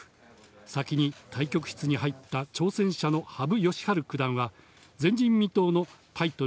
先に対局室に入った挑戦者の羽生善治九段は、前人未到のタイトル